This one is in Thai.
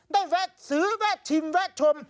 แวะซื้อแวะชิมแวะชม